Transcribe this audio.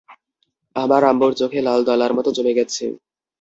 আমার আম্মুর চোখে লাল দলার মত জমে গেছে।